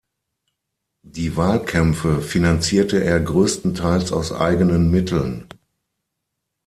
Die Wahlkämpfe finanzierte er größtenteils aus eigenen Mitteln.